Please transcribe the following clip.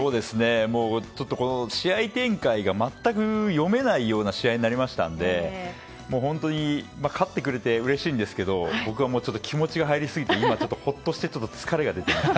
ちょっと試合展開が全く読めないような試合になりましたので本当に、勝ってくれてうれしいんですけど僕は気持ちが入りすぎて今、ほっとして疲れが出てきました。